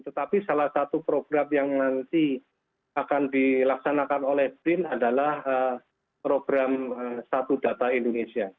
tetapi salah satu program yang nanti akan dilaksanakan oleh brin adalah program satu data indonesia